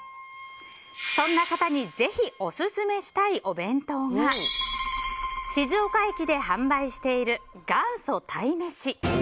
そんな方にぜひオススメしたいお弁当が静岡駅で販売している元祖鯛めし。